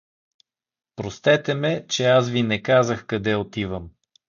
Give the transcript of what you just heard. Простете ме, че аз ви не казах къде отивам.